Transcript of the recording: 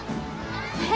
えっ？